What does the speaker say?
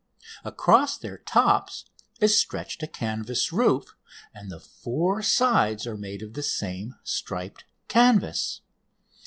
Across their tops is stretched a canvas roof, and the four sides are made of the same striped canvas.